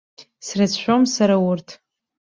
Срыцәшәом сара урҭ.